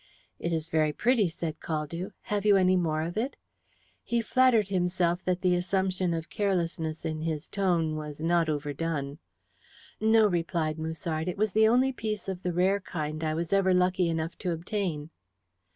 "It is very pretty," said Caldew. "Have you any more of it?" He flattered himself that the assumption of carelessness in his tone was not overdone. "No," replied Musard. "It was the only piece of the rare kind I was ever lucky enough to obtain."